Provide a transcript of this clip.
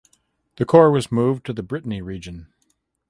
The corps was moved to the Brittany region.